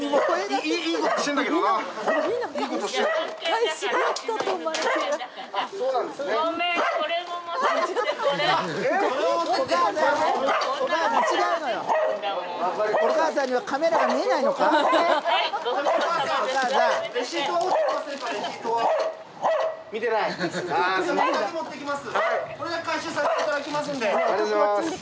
ありがとうございます。